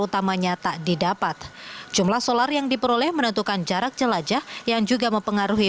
utamanya tak didapat jumlah solar yang diperoleh menentukan jarak jelajah yang juga mempengaruhi